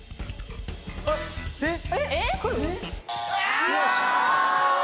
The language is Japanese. えっ。